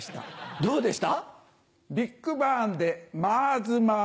どうでした？